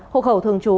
hộ khẩu thường trú